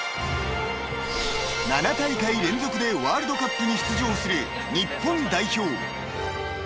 ［７大会連続でワールドカップに出場する日本代表］